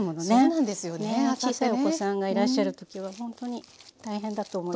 小さいお子さんがいらっしゃる時はほんとに大変だと思います。